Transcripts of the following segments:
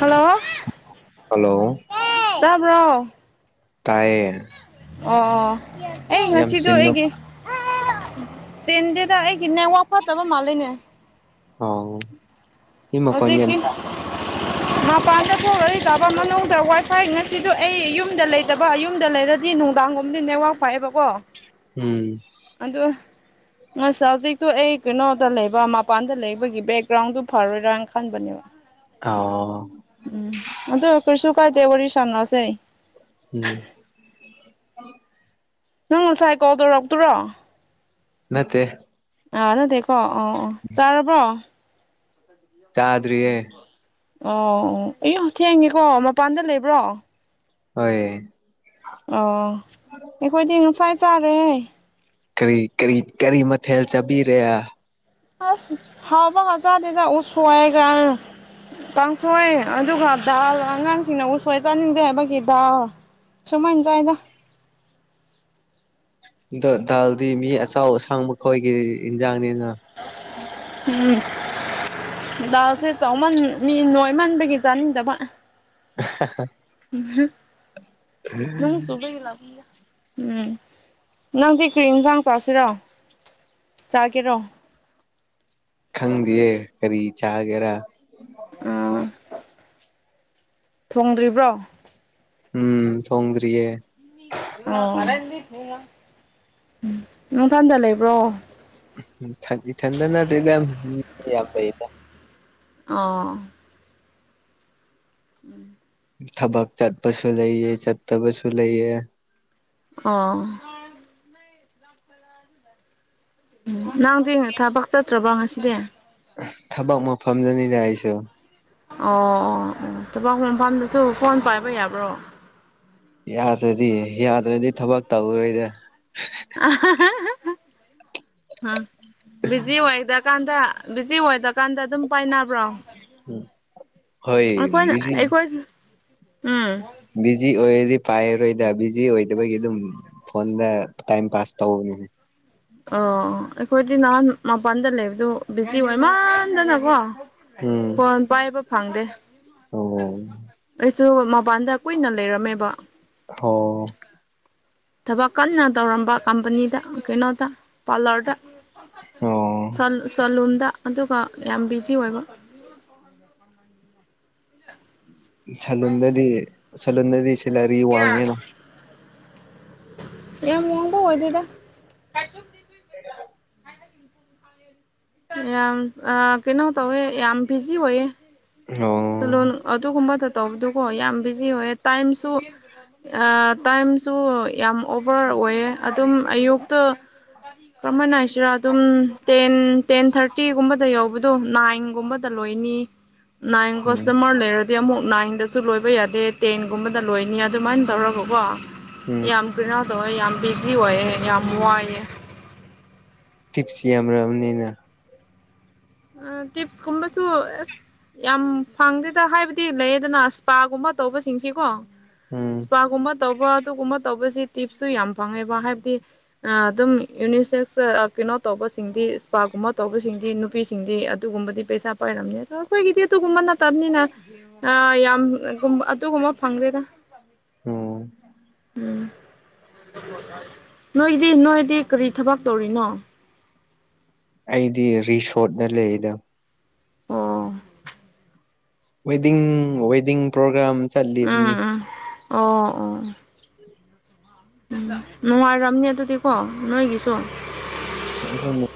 Hello hello ꯇꯕ꯭ꯔꯣ ꯇꯥꯏꯌꯦ ꯑꯣ ꯑꯣ ꯑꯩ ꯌꯥꯝ ꯉꯁꯤꯗꯣ ꯆꯤꯟꯕ ꯑꯩꯒꯤ ꯆꯤꯟꯗꯦꯗ ꯑꯩꯒꯤ ꯅꯦꯠꯋꯔꯣ꯭ꯛ ꯐꯠꯇꯕ ꯃꯥꯜꯂꯦꯅꯦ ꯑꯧ ꯍꯧꯖꯤꯛꯇꯤ inaudible ꯃꯄꯥꯟꯗꯀꯣ ꯑꯩ ꯇꯕ ꯃꯅꯨꯡꯗ ꯋꯥꯏꯐꯥꯏ ꯉꯁꯤꯗꯨ ꯑꯩ ꯌꯨꯝꯗ ꯂꯩꯇꯕ ꯌꯨꯝꯗ ꯂꯩ ꯔꯥunintelligible ꯗꯤ ꯅꯨꯡꯗꯥꯡꯒꯨꯝꯕꯗꯤ ꯅꯦꯠꯋꯥꯛ ꯐꯥꯏꯑꯦꯕꯀꯣ ꯎꯝ ꯑꯗꯨ inaudible ꯍꯧꯖꯤꯛꯇꯣ ꯑꯩ ꯀꯩꯅꯣꯗ ꯂꯩꯕ ꯃꯄꯥꯟꯗ ꯂꯩꯕꯒꯤ ꯕꯦꯛꯒ꯭ꯔꯥꯎꯟꯗꯨ ꯐꯔꯣꯏ ꯔꯥꯡꯈꯥꯟinaudible ꯕꯅꯦꯕ ꯑꯥꯎ ꯎꯝ ꯑꯗꯨ ꯀꯩꯁꯨ ꯀꯥꯏꯗꯦ ꯋꯥꯔꯤ ꯁꯥꯟꯅꯁꯦ ꯎꯝ ꯅꯪ ꯉꯁꯥꯏ ꯀꯣꯜ ꯇꯧꯔꯛꯄꯗꯨꯔꯣ ꯅꯠꯇꯦ ꯑꯥ ꯅꯠꯇꯦꯀꯣ ꯑꯣ ꯑꯣ ꯆꯔꯕꯣ ꯆꯥꯗ꯭ꯔꯤꯌꯦ ꯑꯣ ꯑꯣ ꯊꯦꯡꯉꯦꯀꯣ ꯃꯄꯥꯟꯗ ꯂꯩꯕ꯭ꯔꯣ ꯍꯣꯏ ꯑꯣ ꯑꯩꯈꯣꯏꯗꯤ ꯉꯁꯥꯏ ꯆꯥꯔꯦ ꯀꯔꯤ ꯀꯔꯤ ꯀꯔꯤ ꯃꯊꯦꯜ ꯆꯥꯕꯤꯔꯦ ꯑꯁ ꯍꯥꯎꯕꯒ ꯆꯥꯗꯦꯗ ꯎꯁꯣꯏꯒ ꯀꯥꯡꯡꯁꯣꯏ ꯑꯗꯨꯒ ꯗꯜ ꯑꯉꯥꯡꯁꯤꯡꯅ ꯎꯁꯣꯏ ꯆꯥꯅꯤꯡꯗꯦ ꯍꯥꯏꯕꯒꯤ ꯗꯥꯜ ꯁꯨꯃꯥꯏꯅ ꯆꯥꯏꯌꯦꯗ ꯑꯗꯣ ꯗꯥꯜꯗꯤ ꯃꯤ ꯑꯆꯧꯎ ꯑꯁꯥꯡꯕ ꯈꯣꯏꯒꯤ ꯏꯟꯖꯥꯡꯅꯤꯅ ꯎꯝ ꯗꯜꯁꯦ ꯆꯎꯃꯟ ꯃꯤ ꯅꯣꯏꯃꯟꯕꯒꯤ ꯆꯥꯅꯤꯡꯗꯕ ꯍꯥ ꯍꯥ ꯅꯣꯡ ꯆꯨꯕꯒꯤ ꯂꯛꯄꯅꯦꯗ ꯎꯝ ꯅꯪꯗꯤ ꯀꯔꯤ ꯏꯟꯁꯪ ꯆꯁꯦꯔꯣ ꯆꯒꯦꯔꯣ ꯈꯪꯗꯤꯌꯦ ꯀꯔꯤ ꯆꯒꯦꯔ ꯎꯝ ꯊꯣꯡꯗ꯭ꯔꯤꯕ꯭ꯔꯣ ꯎꯝ ꯊꯣꯡꯗ꯭ꯔꯤꯌꯦ ꯑꯣ ꯎꯝ ꯅꯊꯟꯗ ꯂꯩꯕ꯭ꯔꯣ ꯏꯊꯟꯗ ꯅꯠꯇꯦꯗ ꯃꯤꯌꯥꯝ ꯂꯩꯌꯦꯗ ꯑꯥ ꯎꯝ ꯊꯕꯛ ꯆꯠꯄꯁꯨ ꯂꯩꯌꯦ ꯆꯠꯇꯕꯁꯨ ꯂꯩꯌꯦ ꯑꯥ ꯎꯝ ꯅꯪꯗꯤ ꯊꯕꯛ ꯆꯠꯇ꯭ꯔꯕꯣ ꯉꯁꯤꯗꯤ ꯊꯕꯛ ꯃꯐꯝꯗꯅꯤꯗ ꯑꯩꯁꯨ ꯑꯣ ꯊꯕꯛ ꯃꯐꯝꯗꯁꯨ ꯐꯣꯟ ꯄꯥꯏꯕ ꯌꯥꯕ꯭ꯔꯣ ꯌꯥꯗ꯭ꯔꯗꯤ ꯌꯥꯗ꯭ꯔꯗꯤ ꯊꯕꯛ ꯇꯧꯔꯣꯏꯗ ꯕꯤꯖꯤ ꯋꯥꯏꯗ ꯀꯥꯟꯗ ꯕꯤꯖꯤ ꯑꯣꯏꯗꯀꯥꯟꯗ ꯑꯗꯨꯝ ꯄꯥꯏꯅꯕ꯭ꯔꯣ ꯎꯝ ꯍꯣꯏ ꯑꯩꯈꯣꯏ ꯕꯤꯖꯤ ꯑꯩꯈꯣꯏꯁꯨ ꯎꯝ ꯕꯤꯖꯤ ꯑꯣꯏꯔꯗꯤ ꯄꯥꯏꯔꯔꯣꯏꯗ ꯕꯤꯖꯤ ꯑꯣꯏꯗꯕꯒꯤ ꯑꯗꯨꯝ ꯐꯣꯟꯗ ꯇꯥꯏꯝ ꯄꯥꯁ ꯇꯧꯕꯅꯤꯅꯦ ꯑꯣ ꯑꯩꯈꯣꯏꯗꯤ ꯅꯍꯥꯟ ꯃꯄꯥꯟꯗ ꯂꯩꯕꯗꯣ ꯕꯤꯖꯤ ꯑꯣꯏ ꯃꯟꯗꯅꯀꯣ ꯎꯝ ꯐꯣꯟ ꯄꯥꯏꯕ ꯐꯪꯗꯦ ꯑꯣ ꯑꯩꯁꯨ ꯃꯄꯥꯟꯗ ꯀꯨꯏꯅ ꯂꯩꯔꯝꯃꯦꯕ ꯑꯣ ꯊꯕꯛ ꯀꯟꯅ ꯇꯧꯔꯝꯕ ꯀꯝꯄꯅꯤꯗ ꯀꯩꯅꯣꯗ ꯄꯥꯔꯂꯔꯗ ꯑꯣ ꯁꯂꯨꯟꯗ ꯑꯗꯨꯒ ꯌꯥꯝ ꯕꯤꯖꯤ ꯑꯣꯏꯕ ꯁꯂꯨꯟꯗꯗꯤ ꯁꯂꯨꯟꯗꯗꯤ ꯁꯦꯂꯔꯤ ꯋꯥꯡꯉꯦꯅ ꯌꯥꯝ ꯋꯥꯡꯕ ꯑꯣꯏꯗꯦꯗ [unintelligible] ꯌꯥꯝ ꯑ ꯀꯩꯅꯣ ꯇꯧꯌꯦ ꯌꯥꯝ ꯕꯤꯖꯤ ꯑꯣꯏꯌꯦ ꯑꯣ ꯁꯂꯣꯟ ꯑꯗꯨꯒꯨꯝꯕꯗ ꯇꯧꯕꯗꯨꯀꯣ ꯌꯥꯝ ꯕꯤꯖꯤ ꯑꯣꯏꯌꯦ ꯇꯥꯏꯝꯁꯨ ꯇꯥꯏꯝꯁꯨ ꯌꯥꯝ ꯑꯣꯚꯔ ꯑꯣꯏꯌꯦ ꯑꯗꯨꯝ ꯑꯌꯨꯛꯇ ꯀꯔꯝꯍꯥꯏꯅ ꯍꯥꯏꯁꯤꯔ ꯑꯗꯨꯝ ꯇꯦꯟ ꯇꯦꯟ ꯊꯥꯔꯇꯤꯒꯨꯝꯕꯗ ꯌꯧꯕꯗꯨ ꯅꯥꯏꯟꯒꯨꯝꯕꯗ ꯂꯣꯏꯅꯤ ꯅꯥꯏꯟ ꯎꯝ ꯀꯁꯇꯃꯔ ꯂꯩꯔ ꯑꯗꯤ ꯑꯃꯨꯛ ꯅꯥꯏꯟꯗꯁꯨ ꯂꯣꯏꯕ ꯌꯥꯗꯦ ꯇꯦꯟꯒꯨꯝꯕꯗ ꯂꯣꯏꯅꯤ ꯑꯗꯨꯃꯥꯏꯅ ꯇꯧꯔꯒꯀꯣ ꯎꯝ ꯌꯥꯝ ꯕꯤꯔꯥ ꯇꯧꯋꯦ ꯌꯥꯝ ꯕꯤꯖꯤ ꯑꯣꯏꯌꯦ ꯌꯥꯝ ꯋꯥꯏꯌꯦ ꯇꯤꯞꯁ ꯌꯥꯝꯔꯝꯅꯤꯅ ꯇꯤꯞꯁ ꯀꯨꯝꯕꯁꯨ ꯑꯁ ꯌꯥꯝ ꯐꯪꯗꯦꯗ ꯍꯥꯏꯕꯗꯤ ꯂꯩꯌꯦꯗꯅ ꯑꯁ ꯏꯁꯄꯥꯒꯨꯝꯕ ꯇꯧꯕꯁꯤꯡꯁꯤꯀꯣ ꯎꯝ ꯏꯁꯄꯥꯒꯨꯝꯕ ꯇꯧꯕ ꯑꯗꯨꯒꯨꯝꯕ ꯇꯧꯕꯁꯤ ꯇꯤꯞꯁꯨ ꯌꯥꯝ ꯐꯪꯉꯦꯕ ꯍꯥꯏꯕꯗꯤ ꯑꯗꯨꯝ ꯌꯨꯅꯤꯁꯦꯛꯁ ꯀꯩꯅꯣ ꯇꯧꯕꯁꯤꯡꯗꯤ ꯏꯁꯄꯥꯒꯨꯝꯕ ꯇꯧꯕꯁꯤꯡꯗꯤ ꯅꯨꯄꯤꯁꯤꯡꯗꯤ ꯑꯗꯨꯒꯨꯝꯕꯗꯤ ꯄꯩꯁꯥ ꯄꯥꯏꯔꯝꯅꯤ ꯑꯗꯨ ꯑꯩꯈꯣꯏꯒꯤꯗꯤ ꯑꯗꯨꯒꯨꯝꯕ ꯅꯠꯇꯕꯅꯤꯅ ꯑꯥ ꯌꯥꯝ ꯑꯗꯨꯒꯨꯝꯕ ꯐꯪꯗꯦꯗ ꯎꯝ ꯎꯝ ꯅꯣꯏꯒꯤꯗꯤ ꯅꯣꯏꯗꯤ ꯀꯔꯤ ꯊꯕꯛ ꯇꯧꯔꯤꯅꯣ ꯑꯩꯗꯤ ꯔꯤꯁꯣꯔꯠꯇ ꯂꯩꯔꯤꯗ ꯑꯣ ꯋꯦꯗꯤꯡ ꯋꯦꯗꯤꯡ ꯄ꯭ꯔꯣꯒ꯭ꯔꯥꯝ ꯆꯠꯂꯤꯕꯅꯤ ꯑꯣ ꯑꯣ ꯑꯣ ꯎꯝ ꯅꯨꯡꯉꯥꯏꯔꯝꯅꯤ ꯑꯗꯨꯗꯤꯀꯣ ꯅꯣꯏꯒꯤꯁꯨ [unintelligible]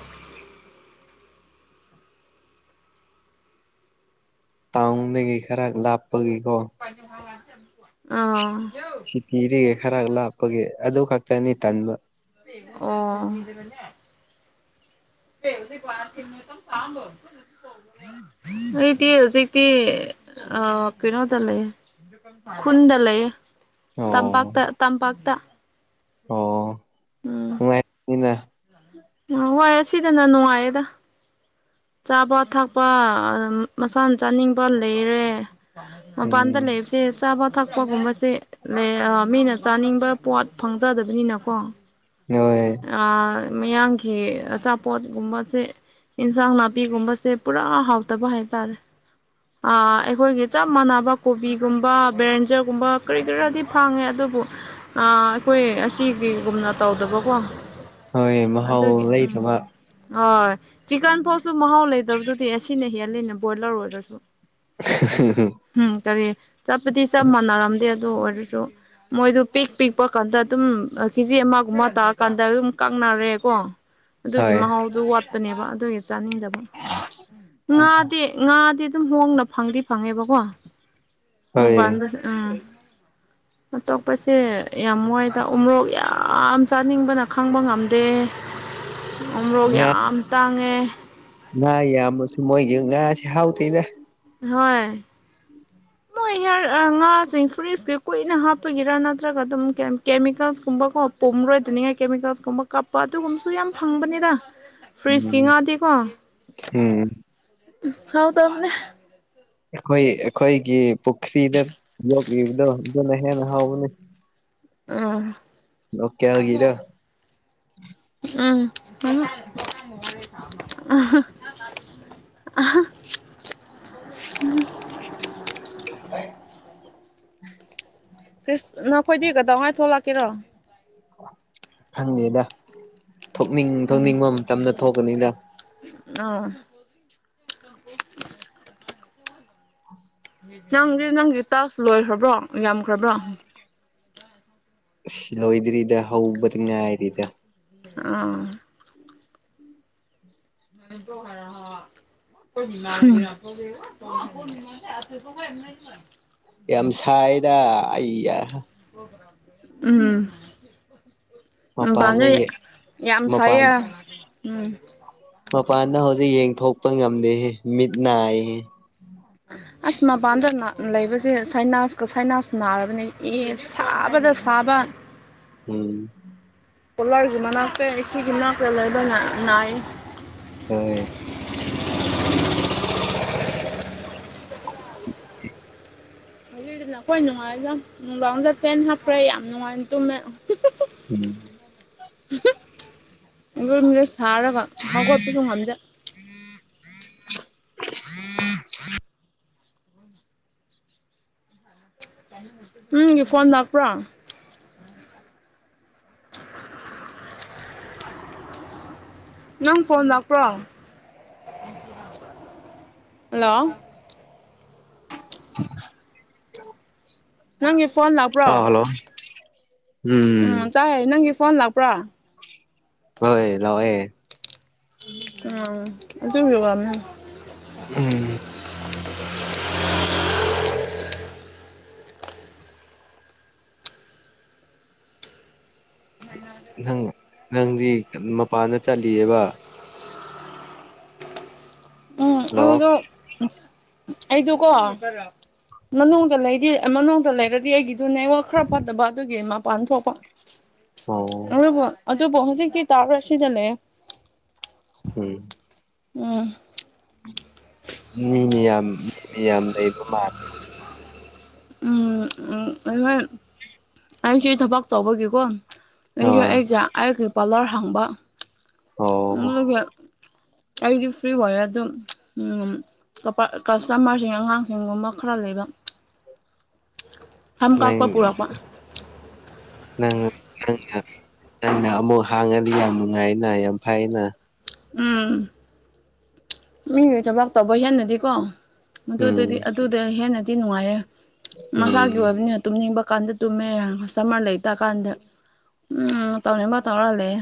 ꯇꯥꯎꯟꯗꯒꯤ ꯈꯔ ꯂꯥꯞꯄꯒꯤꯀꯣ [unintelligible] ꯑꯥ ꯀꯤꯇꯤꯔꯦ ꯈꯔ ꯂꯥꯞꯄꯒꯤ ꯑꯗꯨ ꯈꯛꯇꯅꯤ ꯇꯟꯕ ꯑꯣ [unintelligible] ꯑꯩꯗꯤ ꯍꯧꯖꯤꯛ ꯇꯤ ꯑꯥ ꯀꯩꯅꯣꯗ ꯂꯩꯌ‌ꯦ ꯈꯨꯟꯗ ꯂꯩꯌ‌ꯦ ꯑꯣ ꯇꯝꯄꯥꯛꯇ ꯇꯝꯄꯥꯛꯇ ꯑꯣ ꯅꯨꯡꯉꯥꯏꯅꯤꯅꯥ ꯅꯍꯥꯟꯋꯥꯏ ꯑꯁꯤꯗꯅ ꯅꯨꯡꯉꯥꯏꯌꯦꯗ ꯆꯥꯕ ꯊꯛꯄ ꯃꯁꯥꯅ ꯆꯥꯅꯤꯡꯕ ꯂꯩꯔꯦ ꯃꯄꯥꯟꯗ ꯎꯝ ꯂꯩꯕꯁꯦ ꯆꯥꯕ ꯊꯛꯄꯒꯨꯝꯕꯁꯦ ꯅꯦ ꯑꯥ ꯃꯤꯅ ꯆꯥꯅꯤꯡꯕ ꯄꯣꯠ ꯐꯪꯖꯗꯕꯅꯤꯅꯀꯣ [unintelligible] ꯑꯥ ꯃꯌꯥꯡꯒꯤ ꯑꯆꯥꯄꯣꯠꯒꯨꯝꯕꯁꯦ ꯑꯦꯟꯁꯥꯡ ꯅꯥꯄꯤꯒꯨꯝꯕꯁꯦ ꯄꯨꯔꯥ ꯍꯥꯎꯇꯕ ꯍꯥꯏꯇꯔꯦ ꯑꯥ ꯑꯈꯣꯏꯒꯤ ꯆꯞ ꯃꯥꯟꯅꯕ ꯀꯣꯕꯤꯒꯨꯝꯕ ꯕꯔꯦꯟꯖꯔꯒꯨꯝꯕ ꯀꯔꯤ ꯀꯔꯤꯔ ꯐꯥꯡꯉꯦ ꯑꯗꯨꯕꯨ ꯑꯥ ꯑꯈꯣꯏ ꯑꯁꯤ ꯀꯩꯒꯨꯝꯅ ꯇꯧꯗꯕꯀꯣ ꯍꯣꯏ ꯃꯍꯥꯎ ꯑꯗꯨꯒꯤ ꯎꯝ ꯂꯩꯇꯕ ꯍꯣꯏ ꯆꯤꯛꯀꯟ ꯐꯥꯎꯁꯨ ꯃꯍꯥꯎ ꯂꯩꯇꯕꯗꯨꯗꯤ ꯑꯁꯤꯅ ꯍꯦꯜꯂꯤꯅꯦ ꯕꯣꯏꯂꯔ ꯑꯣꯏꯔꯁꯨ [unintelligible] ꯍꯨꯝ ꯀꯔꯤ ꯆꯠꯄꯗꯤ ꯆꯞ ꯃꯥꯟꯅꯔꯝꯗꯦ ꯑꯗꯨ ꯑꯣꯏꯔꯁꯨ ꯃꯣꯏꯗꯨ ꯄꯤꯛ ꯄꯤꯛꯄ ꯀꯥꯟꯗ ꯑꯗꯨꯝ ꯀꯦꯖꯤ ꯑꯃꯒꯨꯝꯕ ꯇꯥ ꯀꯥꯟꯗ ꯑꯗꯨꯝ ꯀꯛꯅꯔꯦꯀꯣ ꯑꯗꯨꯒꯤ ꯍꯣꯏ ꯃꯍꯥꯎꯗꯨ ꯋꯥꯠ ꯄꯅꯦꯕ ꯑꯗꯨꯒꯤ ꯆꯥꯅꯤꯡꯗꯕ ꯉꯥꯗꯤ ꯉꯥꯗꯤ ꯑꯗꯨꯝ ꯍꯣꯡꯅ ꯐꯪꯗꯤ ꯐꯪꯉꯦꯕꯀꯣ ꯍꯣꯏ ꯃꯣꯡꯄꯥꯟꯗꯁꯨ ꯑꯇꯣꯞꯄꯁꯦ ꯌꯥꯝ ꯋꯥꯏꯗ ꯎꯃꫭꯔꯣꯛ ꯌꯥꯝ ꯆꯥ ꯅꯤꯡꯕꯅ ꯈꯪꯕ ꯉꯝꯗꯦ ꯎꯃꯣꯔꯣꯛ ꯉꯥ ꯌꯥꯝ ꯇꯥꯡꯉꯦ ꯉꯥ ꯌꯥꯝꯃꯁꯨ ꯃꯣꯏꯒꯤ ꯉꯥꯁꯤ ꯍꯥꯎꯇꯦꯗ ꯍꯣꯏ ꯃꯣꯏ ꯍꯤꯌꯥꯔ ꯉꯥꯁꯤꯡ ꯐ꯭ꯔꯤꯖꯀꯤ ꯀꯨꯏꯅ ꯍꯥꯞꯄꯒꯤꯔꯥ ꯅꯠꯇ꯭ꯔꯒ ꯑꯗꯨꯝ ꯀꯦꯃꯤꯀꯦꯜꯁ ꯀꯨꯝꯕꯀꯣ ꯄꯣꯔꯣꯏꯗꯅꯤꯉꯥꯏ ꯀꯦꯃꯤꯀꯦꯜꯁ ꯀꯨꯝꯕ ꯀꯥꯞꯄ ꯑꯗꯨꯒꯨꯝꯕꯁꯨ ꯌꯥꯝ ꯐꯪꯕꯅꯤꯗꯥ [inaudible] ꯐ꯭ꯔꯤꯖꯀꯤ ꯉꯥꯗꯤꯀꯣ ꯎꯝ ꯍꯥꯎꯇꯕꯅꯦ ꯑꯈꯣꯏ ꯑꯈꯣꯏꯒꯤ ꯄꯨꯈ꯭ꯔꯤꯗ ꯌꯣꯛꯂꯤꯕꯗꯣ ꯑꯗꯨꯅ ꯍꯦꯟꯅ ꯍꯧꯎꯕꯅꯤ ꯎꯝ ꯂꫭꯀꯦꯜ ꯒꯤꯗꫭ ꯎꯝ [unintelligible] [unintelligible] ꯀ꯭ꯔꯤꯁ ꯅꯈꯣꯏꯗꯤ ꯀꯗꯧꯉꯩ ꯊꯣꯛꯂꯛꯀꯦꯔꯣ ꯈꯪꯗ‌ꯦꯗ ꯊꯣꯛꯅꯤꯡ ꯎꯝ ꯊꯣꯛꯅꯤꯡꯕ ꯃꯇꯝꯗ ꯊꯣꯛꯀꯅꯤꯗ ꯑꯥ [inaudible] ꯅꯪꯗꯤ ꯅꯪꯒꯤ ꯇꯥꯛꯁ ꯂꯣꯏꯈ꯭ꯔꯕ꯭ꯔꯣ ꯌꯥꯝꯈ꯭ꯔꯕ꯭ꯔꯣ ꯏꯁ ꯂꯣꯏꯗ꯭ꯔꯤꯗ ꯍꯧꯕꯗ ꯉꯥꯏꯔꯤꯗ ꯑꯥ [unintelligible] ꯍꯨꯝ꯫ [unintelligible] ꯌꯥꯝ ꯁꯥꯏꯗ ꯑꯩꯌꯥ꯫ ꯎꯝ꯫ ꯃꯄꯥꯟꯗ ꯃꯄꯥꯟꯗꯩ ꯌꯥꯝ ꯃꯄꯥꯟ ꯁꯥꯏꯌ‌ꯦ ꯎꯝ꯫ ꯃꯄꯥꯟꯗ ꯍꯧꯖꯤꯛ ꯌꯦꯡꯊꯣꯛꯄ ꯉꯝꯗꯦꯍꯦ ꯃꯤꯠ ꯅꯥꯏꯍꯦ ꯑꯁ ꯃꯄꯥꯟꯗ ꯂꯩꯕꯁꯦ ꯁꯥꯏꯅꯥꯁꯀ ꯁꯥꯏꯅꯥꯁ ꯅꯥꯔꯕꯅꯦ ꯑꯦꯁ ꯁꯥꯕꯗ ꯁꯥꯕ ꯎꯝ ꯀꯣꯂꯥꯒꯤ ꯃꯅꯥꯛꯇ‌ꯦ ꯑ‌ꯦ ꯁꯤꯒꯤ ꯃꯅꯥꯛꯇ ꯂꯩꯕ ꯅꯥꯏ ꯎꯝ ꯐꯤꯗꯨꯅ ꯑꯩꯈꯣꯏ ꯅꯨꯡꯉꯥꯏꯗ ꯅꯨꯡꯗꯥꯡ ꯗꯥ ꯄꯦꯟ ꯍꯥꯞꯈ꯭ꯔꯦ ꯌꯥꯝ ꯅꯨꯡꯉꯥꯏꯅ ꯇꯨꯝꯃꯦ ꯎꯝ ꯌꯨꯝ ꯖ‌ꯦ ꯁꯥꯔꯒ ꯍꯧꯒ‌ꯣꯠꯄ ꯖꯨ ꯉꯝꯗ‌ꯦ ꯎꯝꯒꯤ ꯐꯣꯟ ꯂꯥꯛꯄ꯭ꯔꯣ [inaudible] ꯅꯪ ꯐꯣꯟ ꯂꯥꯛꯄ꯭ꯔꯣ ꯍꯜꯂꯣ [inaudible] ꯅꯪꯒꯤ ꯐꯣꯟ ꯂꯥꯛꯄ꯭ꯔꯣ ꯑꯥ ꯍꯜꯂꯣ ꯎꯝ ꯆꯥꯏ ꯅꯪꯒꯤ ꯐꯣꯟ ꯂꯥꯛꯄ꯭ꯔꯣ ꯍꯣꯏ ꯂꯥꯎꯋ‌ꯦ ꯎꯝ ꯑꯗꯨꯒꯤ ꯋꯥꯅ‌ꯦ ꯎꯝ ꯅꯪ ꯅꯪꯗꯤ ꯃꯄꯥꯟꯗ ꯆꯠꯂꯤꯌ‌ꯦꯕꯥ ꯎꯝ ꯍꯜꯂꯣ ꯑꯩꯗꯣ ꯑꯩꯗꯨꯀꯣ ꯃꯅꯨꯡꯗ ꯂꯩꯗꯤ ꯃꯅꯨꯡꯗ ꯂꯩꯔꯗꯤ ꯑꯩꯒꯤꯗꯨ ꯅꯦꯠꯋꯥꯛ ꯈꯔ ꯐꯠꯇꯕ ꯑꯗꯨꯒꯤ ꯃꯄꯥꯟ ꯊꯣꯛꯄꯥ ꯑꯣ ꯑꯗꯨꯕꯨ ꯑꯗꯨꯕꯨ ꯍꯧꯖꯤꯛꯇꯤ ꯇꯧꯔꯁꯤ ꯗꯥ ꯂꯩꯌ‌ꯦ ꯎꯝ ꯎꯝ ꯃꯤꯃꯤꯌꯝ ꯃꯤꯃꯤꯌꯝ ꯂꯩꯕ ꯃꯥꯂ‌ꯦ ꯎꯝ ꯑꯩ ꯍꯣꯏ ꯑꯩꯁꯦ ꯊꯕꯛ ꯇꯧꯕꯒꯤꯀꯣ ꯑꯩꯁꯨ ꯑꯥ ꯑꯩꯒ ꯑꯩꯒꯤ ꯄꯥꯂꯔ ꯍꯥꯡꯕꯥ ꯑꯣ ꯑꯗꯨꯒ ꯑꯩꯒꯤ ꯋꯥ꯭ꯏꯌꯔ ꯗꯨꯝ ꯎꯝ ꯀꯄ ꯀꯁꯇꯃꯔꯁꯤꯡ ꯑꯉꯥꯡꯁꯤꯡ ꯒꯨꯝꯕ ꯈꯔ ꯂꯩꯕ ꯁꯝ ꯅꯪ ꯀꯛꯄ ꯄꯨꯔꯛꯄ ꯅꯪ ꯅꯪꯅ ꯅꯪꯅ ꯑꯃꯨꯛ ꯍꯥꯡꯉꯗꯤ ꯌꯥꯝ ꯅꯨꯡꯉꯥꯏꯅ ꯌꯥꯝ ꯐꯩꯅ ꯎꯝ ꯃꯤꯒꯤ ꯊꯕꯛ ꯇꯧꯕ ꯍꯦꯟꯅꯗꯤꯀꯣ ꯎꯝ ꯑꯗꯨꯗꯗꯤ ꯑꯗꯨꯗ ꯍꯦꯟꯅꯗꯤ ꯅꯨꯡꯉꯥꯏꯌꯦ ꯎꯝ ꯃꯁꯥꯒꯤ ꯑꯣꯏꯕꯅꯤ ꯇꯨꯝꯅꯤꯡꯕ ꯀꯥꯟꯗ ꯇꯨꯝꯃꯦ ꯀꯁꯇꯃꯔ ꯂꯩꯇ ꯀꯥꯟꯗ ꯎꯝ ꯇꯧꯅꯤꯡꯕ ꯇꯧꯔ ꯂꯩꯌ‌ꯦ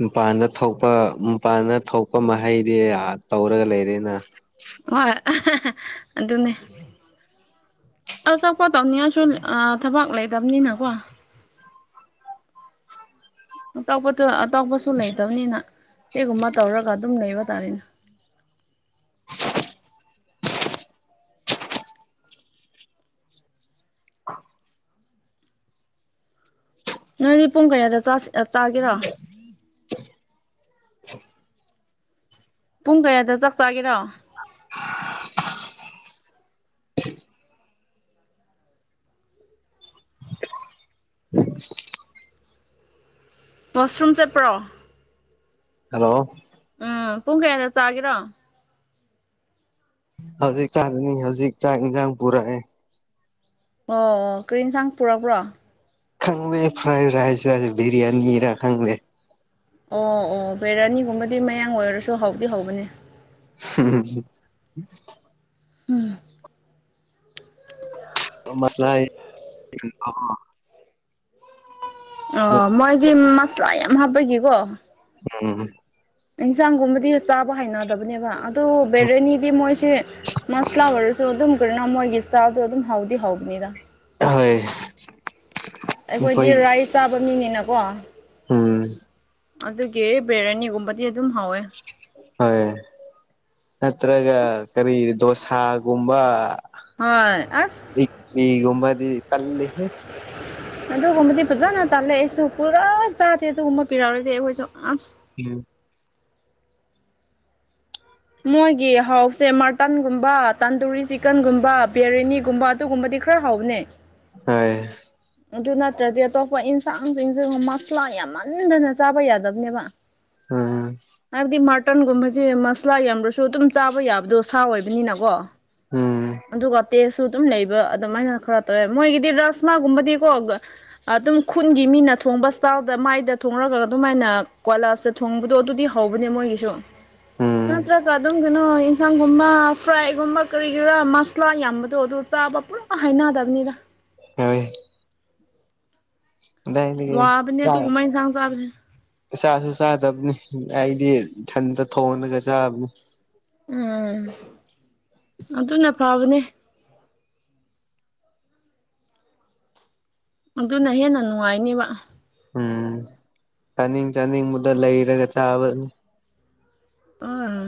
ꯅꯨꯄꯥꯟꯗ ꯊꯣꯛꯄ ꯃꯄꯥꯟꯗ ꯊꯣꯛꯄ ꯃꯍꯩꯗꯤ ꯇꯧꯔꯒ ꯂꯩꯔꯦꯅ ꯍꯣꯏ ꯑꯗꯨꯅꯦ ꯑꯇ‌ꯣꯞꯄ ꯇꯧꯅꯤꯉꯁꯨ ꯑꯥ ꯊꯕꯛ ꯂꯩꯇꯕꯅꯤꯅꯀꯣ ꯑꯇꯣꯞꯄ ꯇꯨ ꯑꯇꯣꯞꯄꯁꯨ ꯂꯩꯇꯕꯅꯤꯅ ꯁꯤꯒꯨꯝꯕ ꯇꯧꯔꯒ ꯑꯗꯨꯝ ꯂꯩꯕ ꯇꯥꯔꯦꯅꯥ [inaudible] ꯅꯣꯏꯗꯤ ꯄꯨꯡ ꯀꯌꯥꯗ ꯆꯥꯁ ꯑ ꯆꯥꯒ‌ꯦꯔꯣ [unintelligible] ꯄꯨꯡ ꯀꯌꯥꯗ ꯆꯥꯛ ꯆꯥꯒꯦꯔꯣ [unintelligible] [unintelligible] [unintelligible] ꯕꯁꯔꯨꯝ ꯆꯠꯄ꯭ꯔꯣ ꯍꯜꯂꯣ ꯎꯝ ꯄꯨꯡ ꯀꯌꯥꯗ ꯆꯥꯒꯦꯔꯣ꯫ ꯍꯧꯖꯤꯛ ꯆꯥꯡꯒꯅꯤ ꯍꯧꯖꯤꯛ ꯆꯥꯡ ꯏꯟꯖꯥꯟ ꯄꯨꯔꯛꯑꯦ꯫ ꯑꯣ ꯑꯣ ꯀꯔꯤ ꯌꯦꯟꯁꯥꯡ ꯄꯨꯛꯔꯕ꯭ꯔꯣ꯫ ꯈꯪꯗꯦ ꯐ꯭ꯔꯥꯏ ꯔꯥꯏꯁ ꯔ ꯕꯤꯔꯌꯥꯅꯤꯔ ꯈꯪꯗꯦ꯫ ꯑꯣ ꯑꯣ ꯕꯤꯔꯌꯥꯅꯤꯒꯨꯝꯕꯗꯤ ꯃꯌꯥꯡ ꯑꯣꯏꯔꯁꯨ ꯍꯥꯎꯗꯤ ꯍꯧꯕꯅꯦ꯫ [unintelligible] ꯎꯝ꯫ ꯃꯁꯂꯥ ꯍꯥꯏꯌꯦ [unintelligible] ꯑꯥ ꯃꯣꯏꯒꯤ ꯃꯁꯂꯥ ꯌꯥꯝ ꯍꯥꯞꯄꯒꯤꯀꯣ꯫ ꯎꯝ꯫ ꯏꯟꯁꯥꯡꯒꯨꯝꯕꯗꯤ ꯆꯥꯕ ꯍꯩꯅꯗꯕꯅꯦꯕ ꯑ ꯇꯨ ꯕꯤꯔꯌꯥꯅꯤꯗꯤ ꯃꯣꯏꯁꯦ ꯃꯁꯂꯥ ꯑꯣꯏꯔꯁꯨ ꯑꯗꯨꯝ ꯃꯣꯏꯒꯤ ꯏꯁꯇꯥꯥꯏꯜꯗꯣ ꯑꯗꯨꯝ ꯍꯥꯎꯗꯤ ꯍꯥꯎꯕꯅꯤꯗ ꯊꫭꯏ꯫ ꯑꯩꯈꯣꯏꯗꯤ ꯔꯥꯏꯁ ꯆꯥꯕ ꯃꯤꯅꯤꯅꯀꯣ꯫ ꯎꯝ꯫ ꯑꯗꯨꯒꯤ ꯕꯤꯔꯌꯥꯅꯤꯒꯨꯝꯕꯗꯤ ꯑꯗꯨꯝ ꯍꯧꯋꯦ꯫ ꯍꯣꯏ ꯅꯠꯇ꯭ꯔꯒ ꯀꯔꯤ ꯗꯣꯁꯥꯒꯨꯝꯕ ꯍꯣꯏ ꯑꯁ ꯏ ꯏꯛꯂꯤ ꯒꯨꯝꯕꯗꯤ ꯇꯜꯂꯦꯍꯦ꯫ ꯑꯗꯨꯒꯨꯝꯕꯗꯤ ꯐꯖꯅ ꯇꯜꯂꯦ ꯑꯩꯁꯨ ꯄꯨꯔꯥ ꯆꯥꯗꯦ ꯑꯗꯨꯒꯨꯝꯕ ꯄꯤꯔꯛꯔꯗꯤ ꯑꯩꯈꯣꯏꯁꯨ ꯑꯁ ꯏꯌꯨ ꯃꯣꯏꯒꯤ ꯍꯥꯎꯁꯦ ꯃꯥꯔꯇꯟꯒꯨꯝꯕ ꯇꯟꯗꯨꯔꯤ ꯆꯤꯛꯀꯟꯒꯨꯝꯕ ꯕꯤꯔꯌꯥꯅꯤꯒꯨꯝꯕ ꯑꯗꯨꯒꯨꯝꯕꯗꯤ ꯈꯔ ꯍꯥꯎꯕꯅꯦ꯫ ꯍꫭꯏꯌꯦ ꯑꯗꯨ ꯅꯠꯇ꯭ꯔꯗꯤ ꯑꯇꯣꯞꯄ ꯏꯟꯁꯥꯡꯁꯤꯡꯁꯦ ꯃ꯭ꯁꯂꯥ ꯌꯥꯝꯃꯟꯗꯅ ꯆꯥꯕ ꯌꯥꯗꯕꯅꯦꯕ꯫ ꯎꯝ ꯍꯥꯏꯗꯤ ꯃꯥꯔꯠ ꯃꯥꯔꯇꯟꯒꯨꯝꯕꯁꯦ ꯃ꯭ꯁꯂꯥ ꯌꯥꯝꯗ꯭ꯔꯁꯨ ꯑꯗꯨꯝ ꯆꯥꯕ ꯌꯥꯕꯗꯨ ꯁꯥ ꯑꯣꯏꯕꯅꯤꯅꯀꯣ꯫ ꯎꯝ ꯑꯗꯨꯒ ꯇꯦꯁꯁꯨ ꯑꯗꯨꯝ ꯂꯩꯕ ꯑꯗꯨꯃꯥꯏꯅ ꯈ꯭ꯔ ꯇꯧ ꯃꯣꯏꯒꯤꯗꯤ ꯔ꯭ꯁꯃꯥꯒꯨꯝꯕꯗꯤ ꯀꯣ ꯒ ꯑꯗꯨꯝ ꯈꯨꯟꯒꯤ ꯃꯤꯅ ꯊꯣꯡꯕꯁ ꯇꯥꯎꯗ ꯃꯥꯏꯗ ꯊꯣꯡꯔ꯭ꯒ ꯑꯗꯨꯃꯥꯏꯅ ꯀꯣꯂꯥꯁꯇ ꯊꯣꯡꯕꯗꯣ ꯑꯗꯨꯗꯤ ꯍꯧꯕꯅꯦ ꯃꯣꯏꯒꯤꯁꯨ꯫ ꯎꯝ ꯅꯠꯇ꯭ꯔꯒ ꯑꯗꯨꯝꯒꯅꯣꯏ ꯏꯟꯁꯥꯡꯒꯨꯝꯕ ꯐ꯭ꯔꯥꯏꯒꯨꯝꯕ ꯀꯔꯤꯒꯤꯔꯥ ꯃꯁꯂꯥ ꯌꯥꯝꯕꯗꯣ ꯑꯗꯨ ꯆꯥꯕ ꯄꯨꯔꯥ ꯍꯩꯅꯗꯕꯅꯤꯗ꯫ [unintelligible] ꯑꯗꯥꯏꯗꯒꯤ ꯋꯥꯕꯅꯦ ꯆ꯭ꯔꯦ ꯑꯗꯨꯒꯨꯝꯕ ꯏꯟꯁꯥꯡ ꯆꯥꯕꯁꯦ ꯫ ꯅꯤꯁꯥꯁꯨ ꯆꯥꯗꯕꯅꯤ ꯑꯩꯗꯤ ꯏꯊꯟꯇ ꯊꯣꯡꯉꯒ ꯆꯥꯕꯅꯤ꯫ ꯎꯝ ꯑꯗꯨꯅ ꯐꯕꯅꯤ꯫ ꯑꯗꯨꯅ ꯍꯦꯟꯅ ꯅꯨꯡꯉꯥꯏꯅꯤꯕ꯫ ꯎꯝ ꯆꯥꯅꯤꯡ ꯆꯥꯅꯤꯡꯕꯗ ꯂꯩꯔꯒ ꯆꯥꯕ ꯑꯥ [unintelligible]